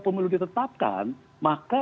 pemilu ditetapkan maka